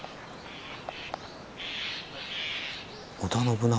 織田信長。